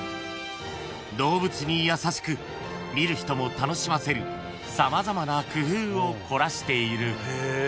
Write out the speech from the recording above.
［動物に優しく見る人も楽しませる様々な工夫を凝らしている］